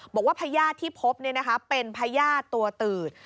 บอกว่าพยาธิที่พบเป็นพยาธิตัวตืด